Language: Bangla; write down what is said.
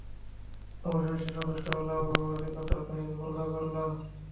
অবশেষে সে সন্তুষ্ট হল এবং আমার নিকট তার কাহিনী বর্ণনা করল।